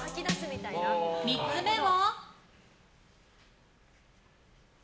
３つ目は。